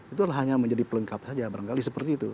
itu hanya menjadi pelengkap saja barangkali seperti itu